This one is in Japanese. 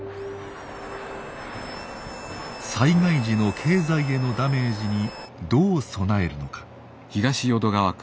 災害時の経済へのダメージにどう備えるのか。